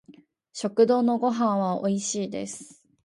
食堂のご飯は美味しいです